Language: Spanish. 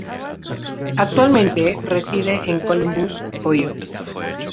Actualmente reside en Columbus, Ohio.